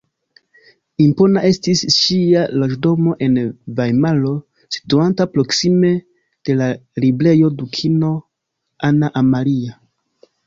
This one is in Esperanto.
Impona estis ŝia loĝdomo en Vajmaro, situanta proksime de la Librejo Dukino Anna Amalia.